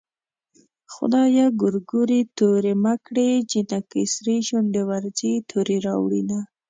خدايه ګورګورې تورې مه کړې جنکۍ سرې شونډې ورځي تورې راوړينه